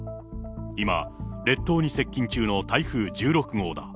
今、列島に接近中の台風１６号だ。